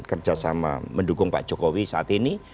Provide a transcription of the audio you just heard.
kerjasama mendukung pak jokowi saat ini